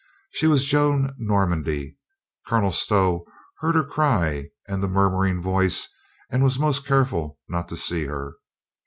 She was Joan Normandy. Colo nel Stow heard her cry and the murmuring voice and was most careful not to see her.